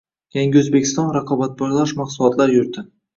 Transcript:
“Yangi O‘zbekiston – raqobatbardosh mahsulotlar yurti”